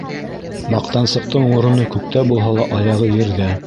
Маҡтансыҡтың мороно күктә булһа ла, аяғы ерҙә.